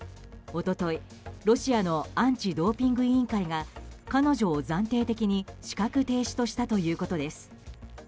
一昨日、ロシアのアンチドーピング委員会が彼女を暫定的に資格停止としたということです。